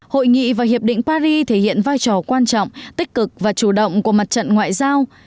hội nghị và hiệp định paris thể hiện vai trò quan trọng tích cực và chủ động của mặt trận ngoại giao